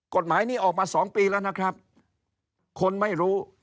กฎหมายนี้ออกมา๒ปีแล้วนะครับคนไม่รู้